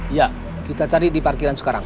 iya kita cari di parkiran sekarang